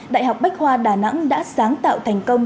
đại học bách khoa đà nẵng đã sáng tạo thành công